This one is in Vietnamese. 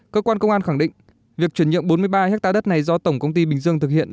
cơ quan công an khẳng định việc chuyển nhượng bốn mươi ba hectare đất này do tổng công ty bình dương thực hiện